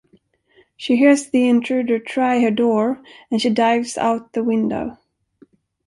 She hears the intruder try her door, and she dives out the window.